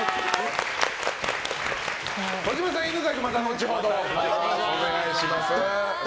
児嶋さん、犬飼君はまた後ほどお願いします。